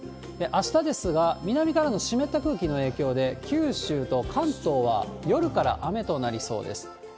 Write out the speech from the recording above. あしたですが、南からの湿った空気の影響で、九州と関東は夜から雨となりそうです。